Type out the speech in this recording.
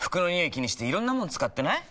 気にしていろんなもの使ってない？